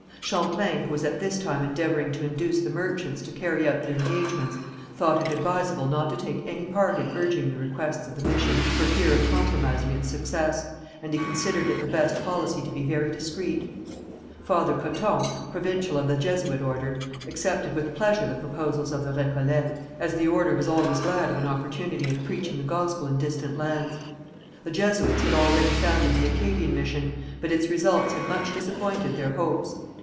Champlain, who was at this time endeavouring to induce the merchants to carry out their engagements, thought it advisable not to take any part in urging the requests of the mission, for fear of compromising its success, and he considered it the best policy to be very discreet. Father Coton, provincial of the Jesuit order, accepted with pleasure the proposals of the Récollets, as the order was always glad of an opportunity of preaching the gospel in distant lands. The Jesuits had already founded the Acadian mission, but its results had much disappointed their hopes.